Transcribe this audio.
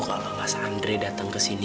kalau mas andre dateng kesini